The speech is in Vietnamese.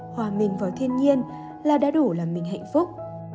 hòa mình vào thiên nhiên là đã đủ là mình hạnh phúc